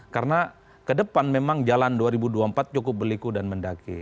karena kedepan memang jalan dua ribu dua puluh empat cukup berliku dan mendaki